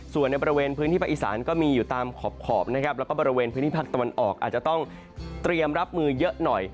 ส่วนในบริเวณพื้นที่ภาคอีสานก็มีอยู่ตามขอบนะครับแล้วก็บริเวณพื้นที่ภาคตะวันออกอาจจะต้องเตรียมรับมือเยอะหน่อย